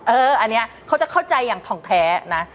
อันนี้เขาจะเข้าใจอย่างทองแท้นะ